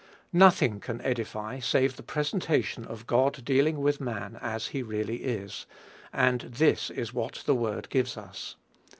Nothing can edify save the presentation of God dealing with man as he really is; and this is what the word gives us.